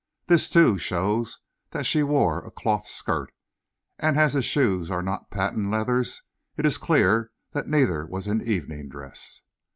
This, too, shows that she wore a cloth skirt, and as his shoes are not patent leathers, it is clear that neither was in evening dress."